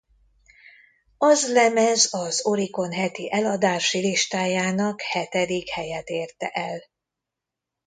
Az lemez az Oricon heti eladási listájának hetedik helyet érte el.